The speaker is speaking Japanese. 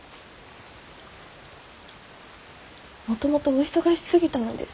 もともとお忙しすぎたのです。